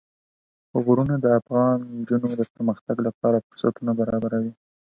غرونه د افغان نجونو د پرمختګ لپاره فرصتونه برابروي.